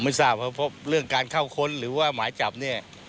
ไม่ทราบครับเพราะเรื่องการเข้าค้นหรือว่าหมายจับเนี่ย